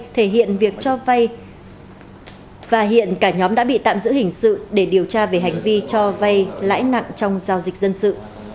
thể hiện việc cho vay và hiện cả nhóm đã bị tạm giữ hình sự để điều tra về hành vi cho vay lãi nặng trong giao dịch dân sự